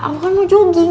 aku kan mau jogging